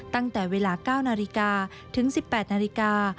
ตั้งแต่เวลา๙นาฬิกาถึง๑๘นาฬิกา